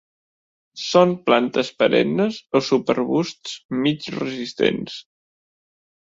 Són plantes perennes o subarbusts mig resistents.